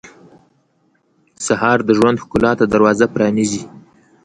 سهار د ژوند ښکلا ته دروازه پرانیزي.